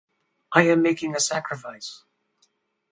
I am making a sacrifice!